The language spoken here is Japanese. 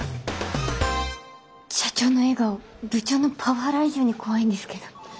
社長の笑顔部長のパワハラ以上に怖いんですけど。